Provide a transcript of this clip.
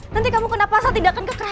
nanti kamu kena pasal tindakan kekerasan